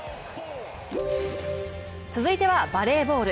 続いてはバレーボール。